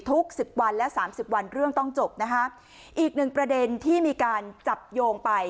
สิบวันและสามสิบวันเรื่องต้องจบนะคะอีกหนึ่งประเด็นที่มีการจับโยงไป